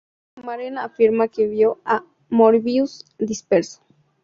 Maren afirma que vio a Morbius disperso.